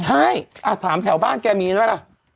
ใช่ถามแถวบ้านแกมีใช่ไหม